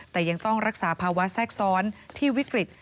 แต่ยังต้องรักษาภาวะแทรกซ้อนที่วิกฤต